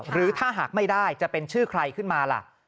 หรือถ้าหากไม่ได้จะเป็นชื่อใครขึ้นมาล่ะ